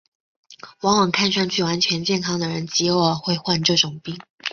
往往看上去完全健康的人极偶尔会患这种病。